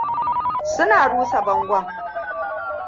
Suna rusa bangon.